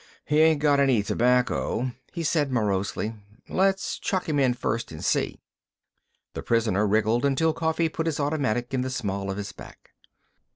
"He ain't got any tobacco," he said morosely. "Let's chuck him in first an' see." The prisoner wriggled until Coffee put his own automatic in the small of his back.